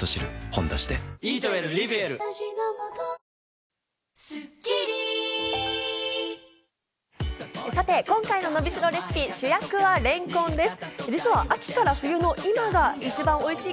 「ほんだし」でさて今回ののびしろレシピ、主役はれんこんです。